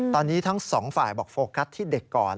ตอนนี้ทั้งสองฝ่ายบอกโฟกัสที่เด็กก่อน